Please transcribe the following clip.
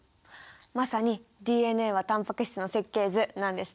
まさにＤＮＡはタンパク質の設計図なんですね。